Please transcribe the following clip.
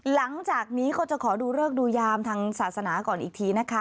หลังจากนี้ก็จะขอดูเริกดูยามทางศาสนาก่อนอีกทีนะคะ